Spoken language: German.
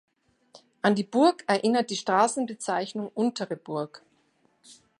An die Burg erinnert die Straßenbezeichnung Untere Burg.